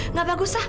tidak bagus sat